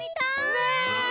ねえ。